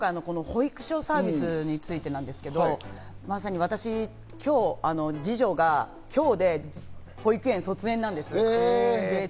私は今回、保育所サービスについてですけど、まさに私、今日、二女が今日で保育園卒園なんです。